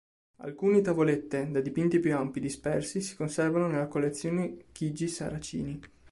Alcuni tavolette, da dipinti più ampi dispersi, si conservano nella collezione Chigi Saracini.